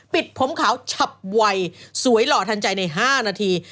ปิดผมขาวฉับไวสวยหล่อทันใจใน๕นาที